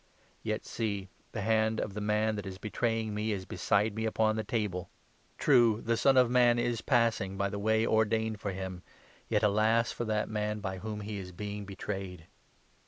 ] Yet see ! the hand of the 21 man that is betraying me is beside me upon the table ! True, 22 » Exod. 24. 8. LUKE, 22. 155 the Son of Man is passing, by the way Ordained for him, yet alas for that man by whom he is being betrayed